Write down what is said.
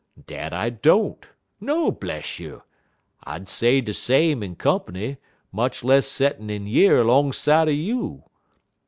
Dat I don't. No, bless you! I'd say de same in comp'ny, much less settin' in yer 'long side er you.